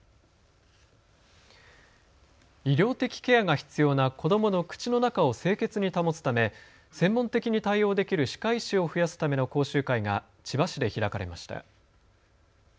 医療的ケアが必要な子どもの口の中を清潔に保つため専門的に対応できる歯科医師を増やすための講習会が千葉市で開かれました。